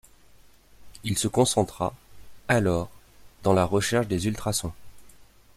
Il se concentra, alors, dans la recherche sur le ultrasons.